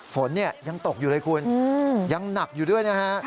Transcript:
ฝนเนี่ยยังตกอยู่เลยคุณยังหนักอยู่ด้วยนะฮะ